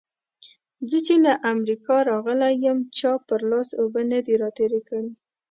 زه چې له امريکا راغلی يم؛ چا پر لاس اوبه نه دې راتېرې کړې.